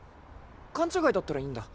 勘違いだったらいいんだ。